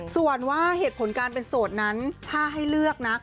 ส่วนว่าเหตุผลการเป็นโสดนั้นถ้าให้เลือกนะ